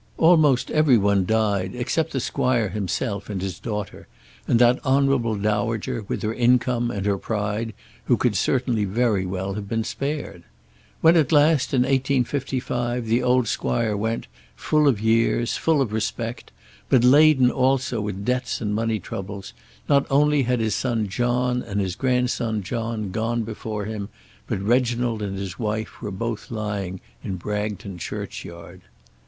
Almost every one died, except the squire himself and his daughter, and that honourable dowager, with her income and her pride who could certainly very well have been spared. When at last, in 1855, the old squire went, full of years, full of respect, but laden also with debts and money troubles, not only had his son John, and his grandson John, gone before him, but Reginald and his wife were both lying in Bragton Churchyard.